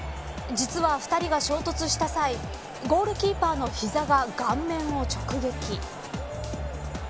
実は２人が衝突した際ゴールキーパーの膝が顔面を直撃。